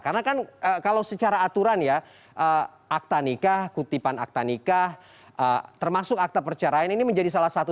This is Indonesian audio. karena kan kalau secara aturan ya akta nikah kutipan akta nikah termasuk akta percerain ini menjadi salah satu